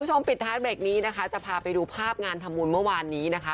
ปิดท้ายเบรกนี้นะคะจะพาไปดูภาพงานทำบุญเมื่อวานนี้นะคะ